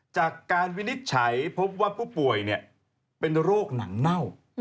จากการวินิจใช้พบว่าผู้ป่วยเป็นโรคหนังเน่า